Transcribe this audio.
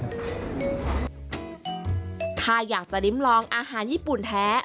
ถ้าอยากจะริ้มลองอาหารญี่ปุ่นแท้